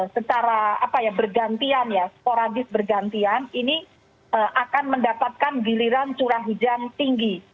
secara bergantian ya sporadis bergantian ini akan mendapatkan giliran curah hujan tinggi